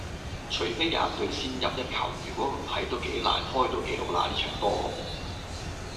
除非有一隊先入一球,如果唔係都幾難開到紀錄啦呢場波